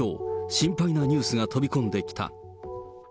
きょう、心配なニュースが飛び込んできた。